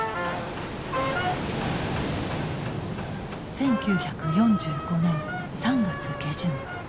１９４５年３月下旬。